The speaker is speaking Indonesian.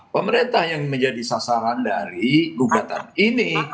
pemerintah yang menjadi sasaran dari gugatan ini